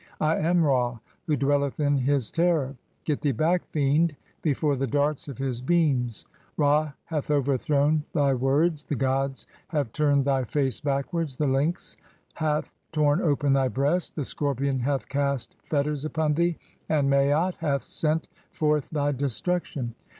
I am'Ra who dwelleth in "his terror. (4) Get thee back, Fiend, before the darts of his "beams. Ra hath overthrown thy words, the gods have turned "thy face backwards, the Lynx hath (5) torn open thy breast, "the Scorpion hath cast fetters upon thee ; and Maat hath sent "forth thy destruction.